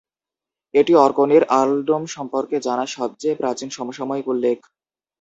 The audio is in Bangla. এটি অর্কনির আর্লডম সম্পর্কে জানা সবচেয়ে প্রাচীন সমসাময়িক উল্লেখ।